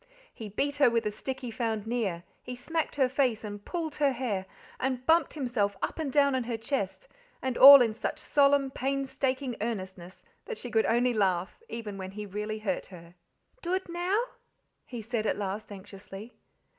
He beat her with a stick he found near, he smacked her face and pulled her hair and bumped himself up and down on her chest, and all in such solemn, painstaking earnestness that she could only laugh even when he really hurt her. "Dood now?" he said at last anxiously.